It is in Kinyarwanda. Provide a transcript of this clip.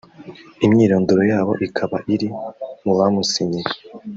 imyirondoro yabo ikaba iri mu bamusinyiye